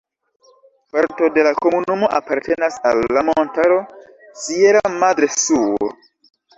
Parto de la komunumo apartenas al la montaro "Sierra Madre Sur".